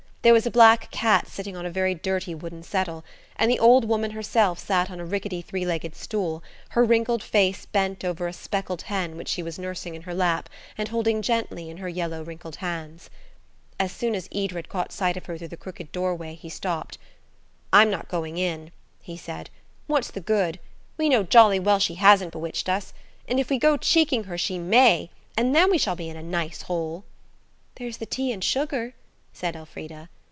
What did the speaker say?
There was a black cat sitting on a very dirty wooden settle, and the old woman herself sat on a rickety three legged stool, her wrinkled face bent over a speckled hen which she was nursing in her lap and holding gently in her yellow, wrinkled hands. As soon as Edred caught sight of her through the crooked doorway, he stopped. "I'm not going in," he said, "what's the good? We know jolly well she hasn't bewitched us. And if we go cheeking her she may, and then we shall be in a nice hole." "There's the tea and sugar," said Elfrida.